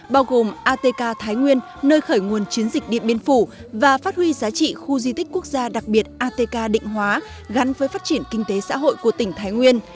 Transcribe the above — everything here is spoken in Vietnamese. bao gồm atk thái nguyên nơi khởi nguồn chiến dịch điện biên phủ và phát huy giá trị khu di tích quốc gia đặc biệt atk định hóa gắn với phát triển kinh tế xã hội của tỉnh thái nguyên